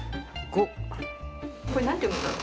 これ何て読むんだろう？